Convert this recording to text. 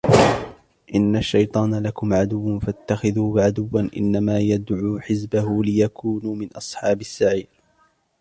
إِنَّ الشَّيْطَانَ لَكُمْ عَدُوٌّ فَاتَّخِذُوهُ عَدُوًّا إِنَّمَا يَدْعُو حِزْبَهُ لِيَكُونُوا مِنْ أَصْحَابِ السَّعِيرِ